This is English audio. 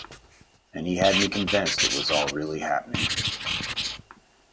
And he had me convinced it was all really happening.